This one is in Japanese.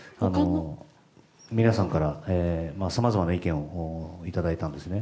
皆さんから、さまざまな意見をいただいたんですね。